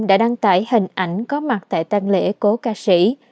đã đăng tải hình ảnh có mặt tại tăng lễ cố ca sĩ